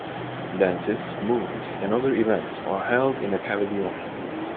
Dances, movies, and other events are held in a pavilion.